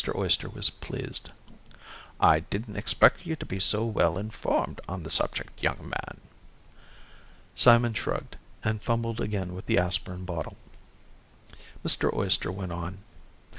Oyster was pleased. "I didn't expect you to be so well informed on the subject, young man." Simon shrugged and fumbled again with the aspirin bottle. Mr. Oyster went on.